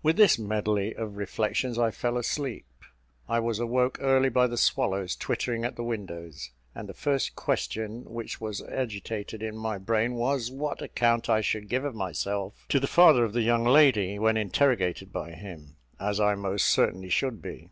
With this medley of reflections I fell asleep. I was awoke early by the swallows twittering at the windows; and the first question which was agitated in my brain was what account I should give of myself to the father of the young lady, when interrogated by him, as I most certainly should be.